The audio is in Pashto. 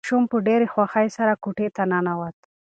ماشوم په ډېرې خوښۍ سره کوټې ته ننوت.